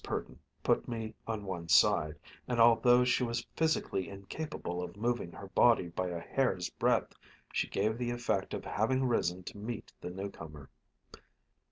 Purdon put me on one side, and although she was physically incapable of moving her body by a hair's breadth, she gave the effect of having risen to meet the newcomer.